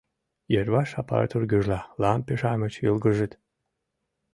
Йырваш аппаратур гӱжла, лампе-шамыч йылгыжыт.